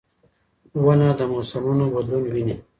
ونه د موسمونو بدلون ویني.